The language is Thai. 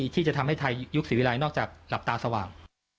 ที่จะทำให้ไทยยุคศรีวิรัยนอกจากหลับตาสว่าง